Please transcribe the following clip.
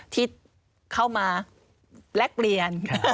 ที่เข้ามาแลกเปลี่ยน